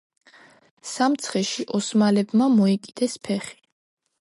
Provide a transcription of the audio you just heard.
სამცხეში ოსმალებმა მოიკიდეს ფეხი.